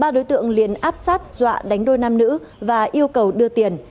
ba đối tượng liền áp sát dọa đánh đôi nam nữ và yêu cầu đưa tiền